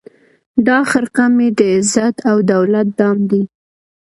دا خرقه مي د عزت او دولت دام دی